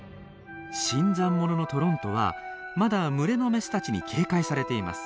新参者のトロントはまだ群れのメスたちに警戒されています。